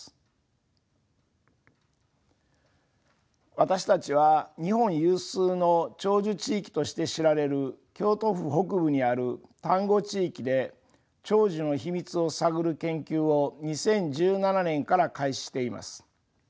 私たちは日本有数の長寿地域として知られる京都府北部にある丹後地域で長寿の秘密を探る研究を２０１７年から開始しています。